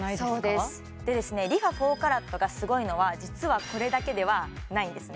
そうですＲｅＦａ４ＣＡＲＡＴがすごいのは実はこれだけではないんですね